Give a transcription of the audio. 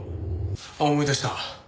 あっ思い出した。